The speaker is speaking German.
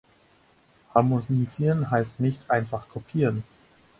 Harmonisieren heißt nicht einfach kopieren.